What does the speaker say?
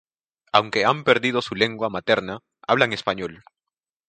Aunque han perdido su lengua materna, hablan español.